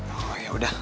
oh ya udah